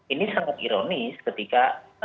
ini sangat ironis ketika